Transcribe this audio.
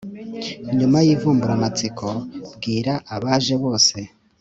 nyuma y'ivumburamatsiko, bwira abaje bose